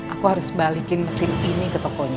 aku harus balikin mesin ini ke tokonya